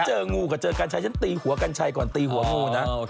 เจองูกับเจอกัญชัยฉันตีหัวกัญชัยก่อนตีหัวงูนะ